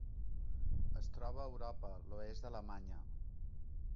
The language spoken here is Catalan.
Es troba a Europa: l'oest d'Alemanya.